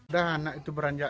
dan anak itu beranjak